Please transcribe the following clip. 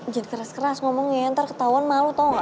jangan keras keras ngomong ya ntar ketauan malu tau gak